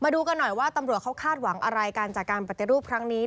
ดูกันหน่อยว่าตำรวจเขาคาดหวังอะไรกันจากการปฏิรูปครั้งนี้